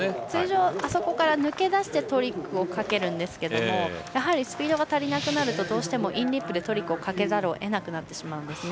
通常、あそこから抜け出してトリックをかけるんですがスピードが足りなくなるとどうしてもインリップでトリックをかけざるを得なくなって。